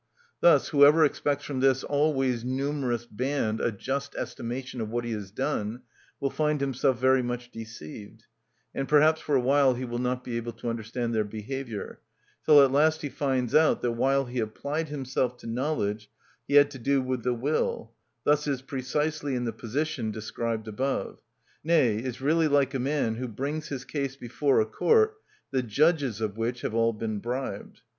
Thus whoever expects from this always numerous band a just estimation of what he has done will find himself very much deceived, and perhaps for a while he will not be able to understand their behaviour, till at last he finds out that while he applied himself to knowledge he had to do with the will, thus is precisely in the position described above, nay, is really like a man who brings his case before a court the judges of which have all been bribed.